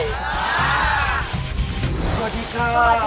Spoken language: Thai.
สวัสดีค่ะ